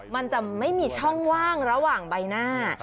มันจะไม่มีช่องว่างระหว่างใบหน้า